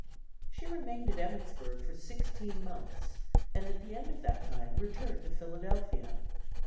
She remained at Emmittsburg for sixteen months, and at the end of that time returned to Philadelphia.